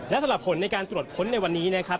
และสำหรับผลในการตรวจค้นในวันนี้นะครับ